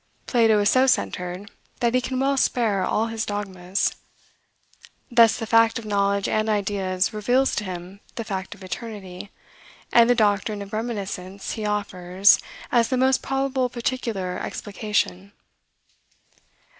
Plato is so centered, that he can well spare all his dogmas. Thus the fact of knowledge and ideas reveals to him the fact of eternity; and the doctrine of reminiscence he offers as the most probable particular explication.